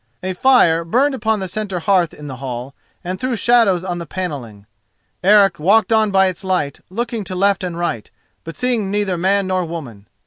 A fire burned upon the centre hearth in the hall, and threw shadows on the panelling. Eric walked on by its light, looking to left and right, but seeing neither man nor woman.